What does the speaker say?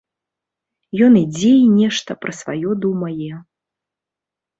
Ён ідзе і нешта пра сваё думае.